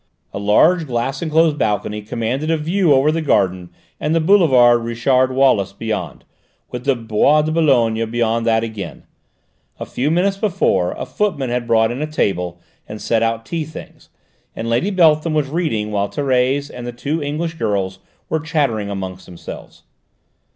A large glass enclosed balcony commanded a view over the garden and the boulevard Richard Wallace beyond, with the Bois de Boulogne beyond that again. A few minutes before, a footman had brought in a table and set out tea things, and Lady Beltham was reading while Thérèse and the two young English girls were chattering among themselves.